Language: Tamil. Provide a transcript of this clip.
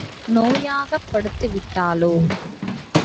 நோயாகப் படுத்து விட்டாளோ?